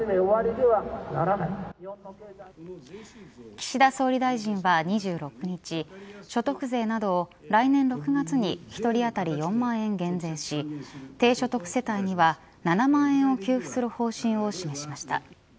岸田総理大臣は２６日所得税などを来年６月に１人当たり４万円減税し低所得世帯には７万円を給付する方針を示しました。